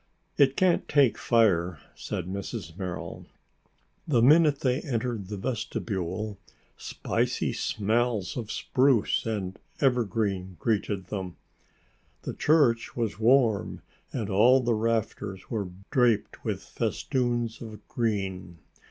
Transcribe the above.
"It can't take fire," said Mrs. Merrill. The minute they entered the vestibule, spicy smells of spruce and evergreen greeted them. The church was warm and all the rafters were draped with festoons of green.